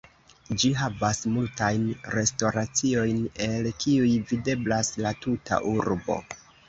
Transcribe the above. Ĝi havas multajn restoraciojn, el kiuj videblas la tuta urbo.